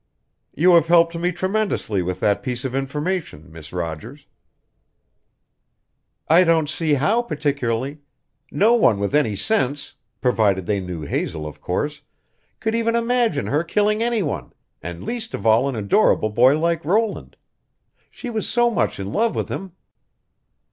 "You have helped me tremendously with that piece of information, Miss Rogers." "I don't see how, particularly. No one with any sense provided they knew Hazel, of course could even imagine her killing any one, and least of all an adorable boy like Roland. She was so much in love with him!"